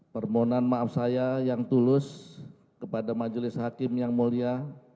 permohonan maaf saya yang tulus kepada majelis hakim yang mulia